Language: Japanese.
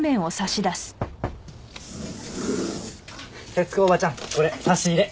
節子おばちゃんこれ差し入れ。